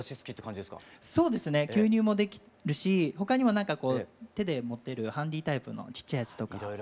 そうですね吸入もできるし他にも手で持てるハンディタイプのちっちゃいやつとか。